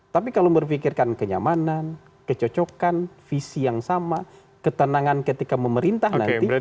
tapi kalau berpikirkan kenyamanan kecocokan visi yang sama ketenangan ketika memerintah nanti